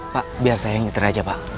pak biar saya yang nyeter aja pak